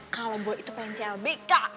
kalau boy itu pengen clb kak